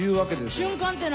瞬間って何？